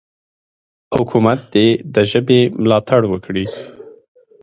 حکومت دې د ژبې ملاتړ وکړي.